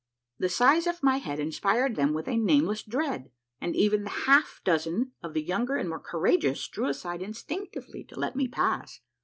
The size of my head inspired them with a nameless dread, and even the half a dozen of the younger and more courageous drew aside instinctively to let me pass.